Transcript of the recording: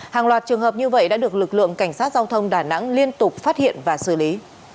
hàng loạt trường hợp như vậy đã được lực lượng cảnh sát giao thông đà nẵng liên tục phát hiện và xử lý